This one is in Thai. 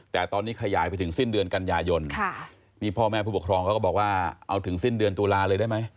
แต่ตอนนี้ขยายไปถึงสิ้นเดือนกันยายนนี่พ่อแม่ผู้ปกครองเขาก็บอกว่าเอาถึงสิ้นเดือนตุลาเลยได้ไหม